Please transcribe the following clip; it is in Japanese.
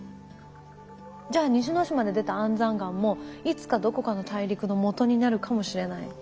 じゃあ西之島で出た安山岩もいつかどこかの大陸のもとになるかもしれない。